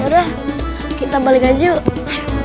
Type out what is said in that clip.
udah kita balik aja yuk